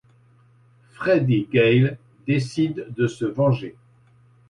Freddy Gale décide de se venger.